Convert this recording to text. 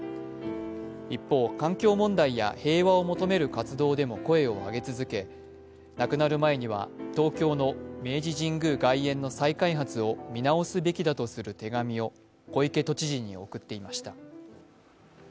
一方、環境問題や平和を求める活動でも声を上げ続け亡くなる前には東京の明治神宮外苑の再開発を見直すべきだとする手紙を小池都知事に送っていました。